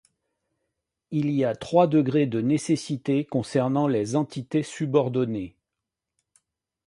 Il y a trois degrés de nécessité concernant les entités subordonnées.